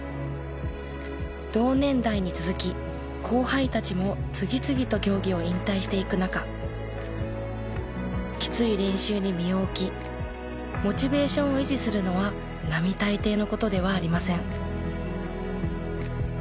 同年代に続き後輩たちも次々と競技を引退していく中きつい練習に身を置きモチベーションを維持するのは並大抵の事ではありません。